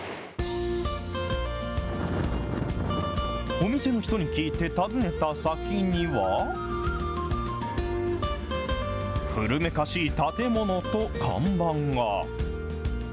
お店の人に聞いて訪ねた先には、古めかしい建物と看板が。